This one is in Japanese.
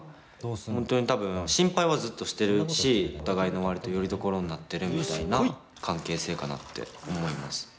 本当に多分心配はずっとしてるしお互いの割とよりどころになってるみたいな関係性かなって思います。